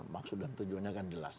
maksud dan tujuannya kan jelas